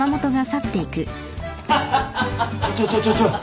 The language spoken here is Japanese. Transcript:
ちょちょちょちょちょ。